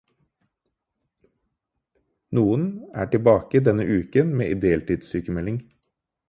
Noen er tilbake denne uka med deltidssykemelding.